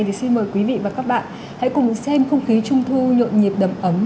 thì xin mời quý vị và các bạn hãy cùng xem không khí trung thu nhộn nhịp đầm ấm